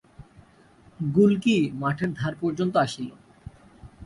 গুলকী মাঠের ধার পর্যন্ত আসিল।